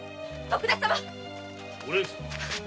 徳田様！